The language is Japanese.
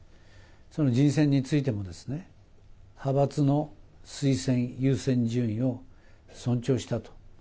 人選についても派閥の推薦優先順位を尊重したと。